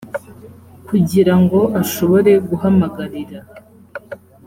kugira ngo ashobore guhamagarira